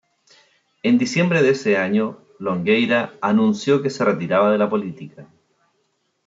En diciembre de ese año, Longueira anunció que se retiraba de la política.